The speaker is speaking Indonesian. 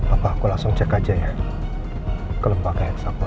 apa aku langsung cek aja ya ke lembaga heksagonal